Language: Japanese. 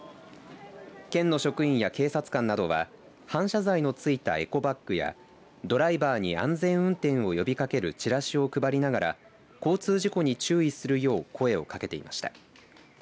県の職員や警察官などは反射材のついたエコバッグやドライバーに安全運転を呼びかけるチラシを配りながら交通事故に注意するよう声をかけていました。